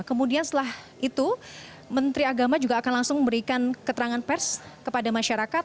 kemudian setelah itu menteri agama juga akan langsung memberikan keterangan pers kepada masyarakat